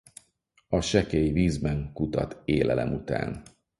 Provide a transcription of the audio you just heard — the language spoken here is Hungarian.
A sekély vízben kutat élelem után.